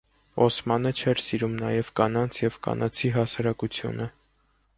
Օսմանը չէր սիրում նաև կանանց և կանացի հասարակությունը։